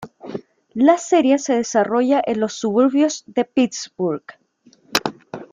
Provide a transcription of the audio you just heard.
La serie se desarrolla en los suburbios de Pittsburgh.